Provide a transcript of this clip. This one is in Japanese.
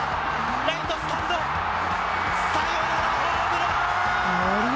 ライトスタンドサヨナラホームラン！